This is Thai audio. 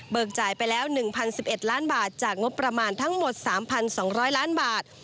จ่ายไปแล้ว๑๐๑๑ล้านบาทจากงบประมาณทั้งหมด๓๒๐๐ล้านบาท